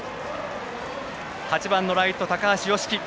８番のライト、高橋祐稀。